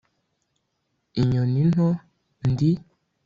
inyoni nto ndi ...